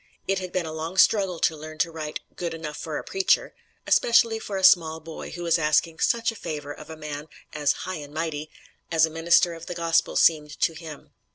It had been a long struggle to learn to write "good enough for a preacher" especially for a small boy who is asking such a favor of a man as "high and mighty" as a minister of the Gospel seemed to him.